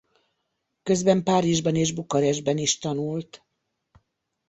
Közben Párizsban és Bukarestben is tanult.